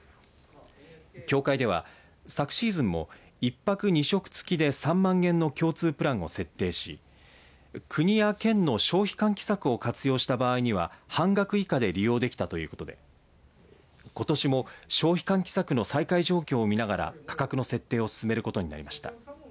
協会では昨シーズンも１泊２食付きで３万円の共通プランを設定し国や県の消費喚起策を活用した場合には半額以下で利用できたということでことしも消費喚起策の再開状況をみながら価格の設定を進めることになりました。